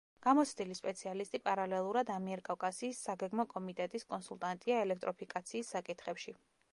გამოცდილი სპეციალისტი პარალელურად ამიერკავკასიის საგეგმო კომიტეტის კონსულტანტია ელექტროფიკაციის საკითხებში.